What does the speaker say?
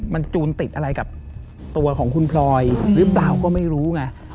มันจูนติดอะไรกับตัวของคุณพลอยหรือเปล่าก็ไม่รู้ไง